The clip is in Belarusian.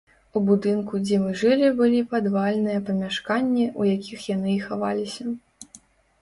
У будынку, дзе мы жылі, былі падвальныя памяшканні, у якіх яны і хаваліся.